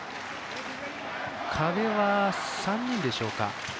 壁は３人でしょうか。